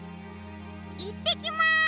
いってきます！